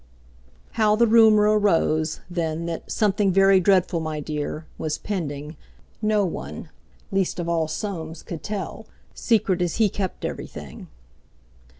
How the rumour arose, then, that "something very dreadful, my dear," was pending, no one, least of all Soames, could tell, secret as he kept everything.